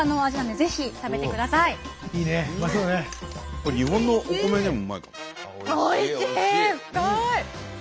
これ日本のお米でもうまい。